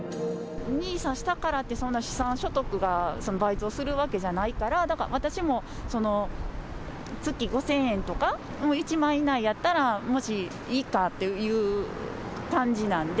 ＮＩＳＡしたからって、そんな資産所得が倍増するわけじゃないから、だから、私も月５０００円とか１万円以内やったら、もし、いいかっていう感じなので。